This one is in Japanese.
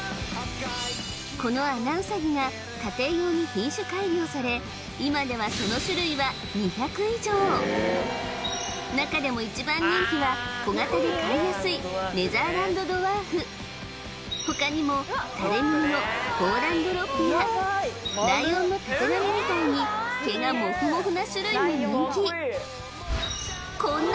このアナウサギが家庭用に品種改良され今ではその種類は２００以上中でも一番人気は小型で飼いやすいネザーランド・ドワーフ他にもたれ耳のホーランドロップやライオンのたてがみみたいに毛がモフモフな種類も人気こんな